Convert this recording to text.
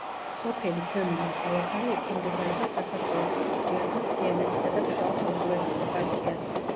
სოფელი ქვემო ნაქალაქარი ექვემდებარება საქართველოს საპატრიარქოს თიანეთისა და ფშავ-ხევსურეთის ეპარქიას.